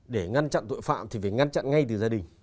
để ngăn chặn tội phạm thì phải ngăn chặn ngay từ gia đình